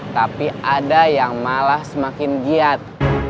tapi ada yang malah semakin giat